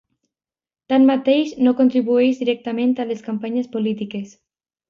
Tanmateix, no contribueix directament a les campanyes polítiques.